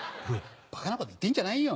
ばかなこと言ってんじゃないよ。